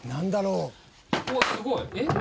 うわっすごい！えっ？